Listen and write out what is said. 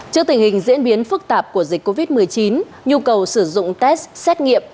trước tình hình diễn biến phức tạp của dịch covid một mươi chín nhu cầu sử dụng test xét nghiệm